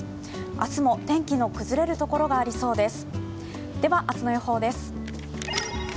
明日も天気の崩れるところがありそうです。